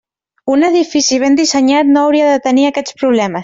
Un edifici ben dissenyat no hauria de tenir aquests problemes.